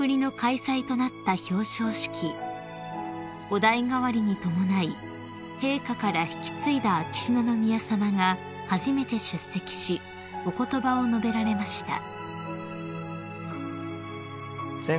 ［お代替わりに伴い陛下から引き継いだ秋篠宮さまが初めて出席しお言葉を述べられました］